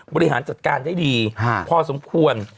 บริหารจัดการได้ดีพอสมควร